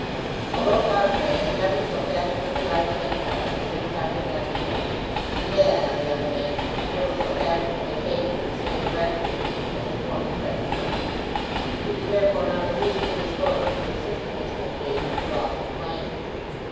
Although Farfrae had never so passionately liked Henchard as Henchard had liked him, he had, on the other hand, never so passionately hated in the same direction as his former friend had done, and he was therefore not the least indisposed to assist Elizabeth Jane in her laudable plan.